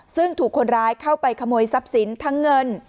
ซึ่งถูกคนร้ายเข้าไปขโมยทรัพย์สินทั้งเงิน